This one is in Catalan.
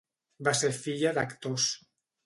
Va ser filla d'actors.